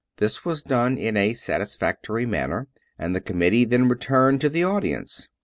This was done in a satis factory manner, and the committee then returned to the audience.